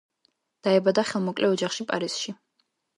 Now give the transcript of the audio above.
დაიბადა ხელმოკლე ოჯახში პარიზში.